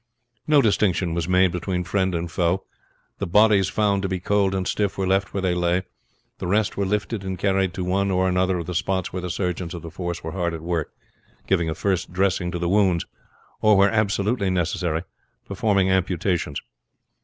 No distinction was made between friend and foe. The bodies found to be cold and stiff were left where they lay; the rest were lifted and carried to one or other of the spots where the surgeons of the force were hard at work giving a first dressing to the wounds, or, where absolutely necessary, performing amputations.